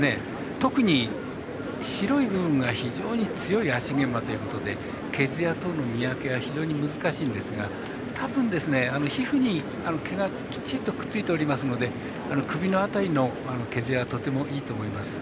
特に白い部分が非常に強い芦毛馬ということで毛づや等の見分けは非常に難しいんですが、たぶん皮膚に毛がくっついておりますので首の辺りの毛づやはとてもいいと思います。